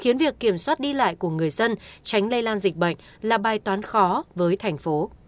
khiến việc kiểm soát đi lại của người dân tránh lây lan dịch bệnh là bài toán khó với thành phố